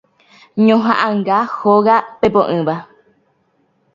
Ñohaʼãnga Hóga Pepoʼỹva.